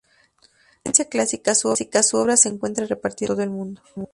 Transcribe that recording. De tendencia clásica, su obra se encuentra repartida por todo el mundo.